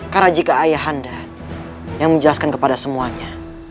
karena jika ayahanda yang menjelaskan kepada semuanya